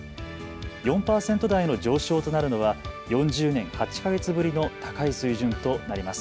４％台の上昇となるのは４０年８か月ぶりの高い水準となります。